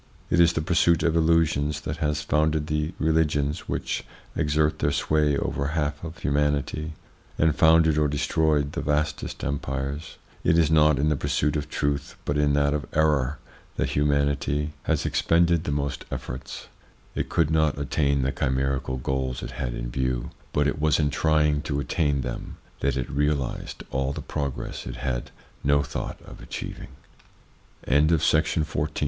It is the pursuit of illusions that has founded the religions which exert their sway over a half of humanity, and founded or destroyed the vastest empires. It is not in the pursuit of truth but in that of error that humanity 208 THE PSYCHOLOGY OF PEOPLES has expended the most efforts. It could not attain the chimerical goals it had in view ; but it was in trying to attain them that it realised all the progress it had no thought of